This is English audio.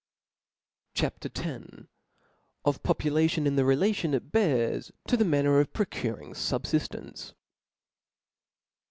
C H A ?• X. Of Population in * the relation it bears to the manner of procuring Subjijience.